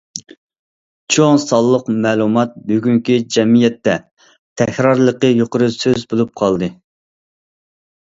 « چوڭ سانلىق مەلۇمات» بۈگۈنكى جەمئىيەتتە« تەكرارلىقى يۇقىرى سۆز» بولۇپ قالدى.